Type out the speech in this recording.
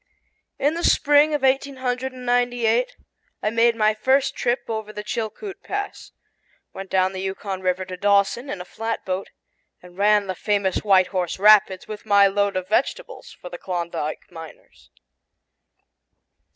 In the spring of 1898 I made my first trip over the Chilkoot Pass, went down the Yukon river to Dawson in a flatboat, and ran the famous White Horse Rapids with my load of vegetables for the Klondike miners.